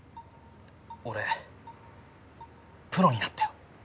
俺プロになったよ。